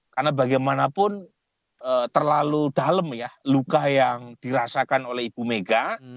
karena bagaimanapun terlalu dalam ya luka yang dirasakan oleh ibu mega